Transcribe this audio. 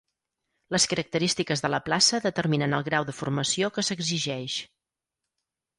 Les característiques de la plaça determinen el grau de formació que s’exigeix.